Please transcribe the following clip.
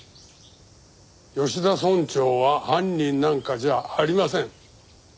吉田村長は犯人なんかじゃありません。